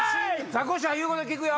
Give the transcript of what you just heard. ザコシは言うこと聞くよ！